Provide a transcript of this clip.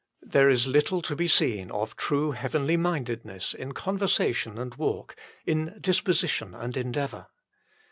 There is little to be seen of true heavenly mindeduess in conversation and walk, in disposition and endeavour.